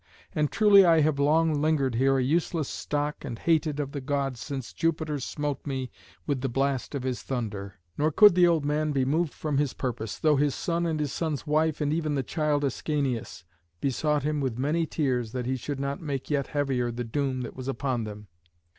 And truly I have long lingered here a useless stock and hated of the Gods since Jupiter smote me with the blast of his thunder." Nor could the old man be moved from his purpose, though his son and his son's wife, and even the child Ascanius, besought him with many tears that he should not make yet heavier the doom that was upon them.